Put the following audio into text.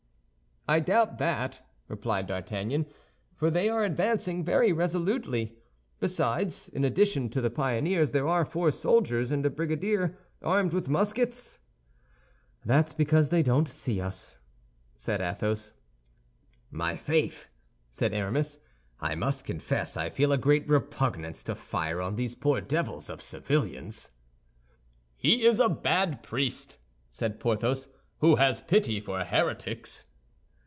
"I doubt that," replied D'Artagnan, "for they are advancing very resolutely. Besides, in addition to the pioneers, there are four soldiers and a brigadier, armed with muskets." "That's because they don't see us," said Athos. "My faith," said Aramis, "I must confess I feel a great repugnance to fire on these poor devils of civilians." "He is a bad priest," said Porthos, "who has pity for heretics."